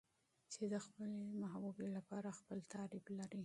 چې د خپلې محبوبې لپاره خپل تعريف لري.